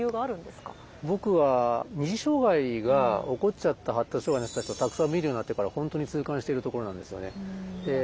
僕は二次障害が起こっちゃった発達障害の人たちをたくさん診るようになってから本当に痛感してるところなんですよね。